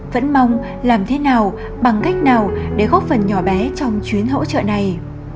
vẫn mong làm thế nào bằng cách nào để góp phần nhỏ bé trong chuyến hỗ trợ này